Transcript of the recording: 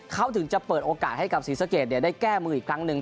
เขาถึงจะเปิดโอกาสให้กับศรีสะเกดได้แก้มืออีกครั้งหนึ่ง